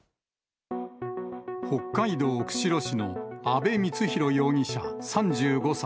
北海道釧路市の阿部光浩容疑者３５歳。